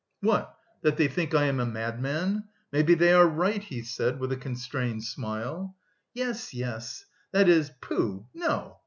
"What? That they think I am a madman? Maybe they are right," he said with a constrained smile. "Yes, yes.... That is, pooh, no!...